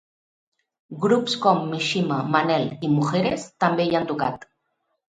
Grups com Mishima, Manel i Mujeres també hi han tocat.